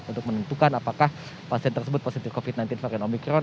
untuk menentukan apakah pasien tersebut positif covid sembilan belas varian omikron